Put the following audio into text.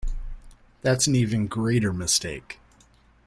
That’s an even greater mistake.